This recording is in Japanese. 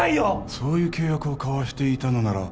そういう契約を交わしていたのなら